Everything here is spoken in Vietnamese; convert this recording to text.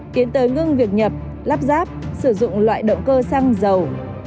tiến tới ngưng việc nhập lắp ráp sử dụng loại động cơ xăng dầu